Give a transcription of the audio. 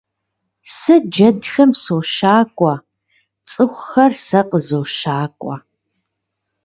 Сэ джэдхэм сощакӀуэ, цӀыхухэр сэ къызощакӀуэ.